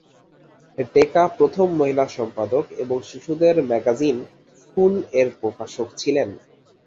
ডেকা প্রথম মহিলা সম্পাদক এবং শিশুদের ম্যাগাজিন "ফুল" এর প্রকাশক ছিলেন।